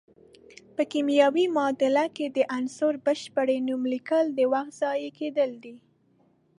په کیمیاوي معادله کې د عنصر بشپړ نوم لیکل د وخت ضایع کیدل دي.